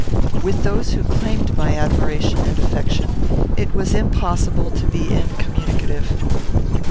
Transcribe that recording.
With those who claimed my admiration and affection, it was impossible to be incommunicative.